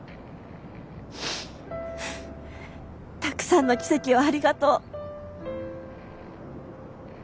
たくさんの奇跡をありがとう。